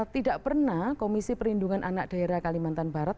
tidak pernah komisi perlindungan anak daerah kalimantan barat